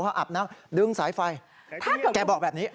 พออาบน้ำดึงสายไฟแกบอกแบบนี้